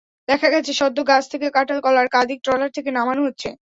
দেখা গেছে সদ্য গাছ থেকে কাটা কলার কাঁদি ট্রলার থেকে নামানো হচ্ছে।